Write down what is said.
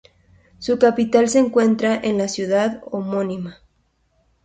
Su capital se encuentra en la ciudad homónima.